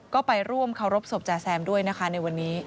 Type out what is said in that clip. ก็ไปร่วมเคารพศพจาแซมด้วยนะคะในวันนี้